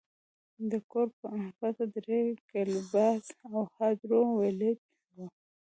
د کور پته درې ګیبلز او هارو ویلډ وه